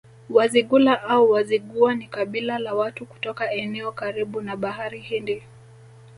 Wazigula au Wazigua ni kabila la watu kutoka eneo karibu na Bahari Hindi